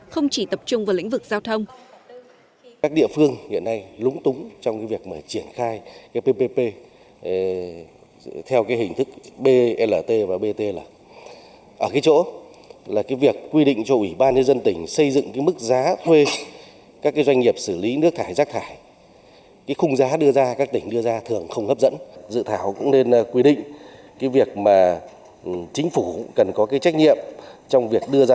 không chỉ tập trung vào lĩnh vực giao thông